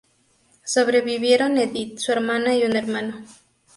Sobrevivieron Edith, su hermana y un hermano.